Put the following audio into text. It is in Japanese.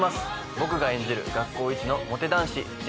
僕が演じる学校一のモテ男子千輝くんと。